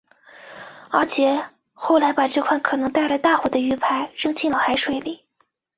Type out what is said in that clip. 阿杰后来把这块可能带来大祸的玉牌扔进了海水里。